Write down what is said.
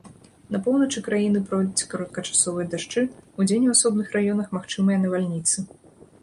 На поўначы краіны пройдуць кароткачасовыя дажджы, удзень у асобных раёнах магчымыя навальніцы.